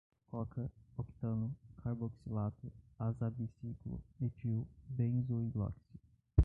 coca, octano, carboxilato, azabiciclo, metil, benzoiloxi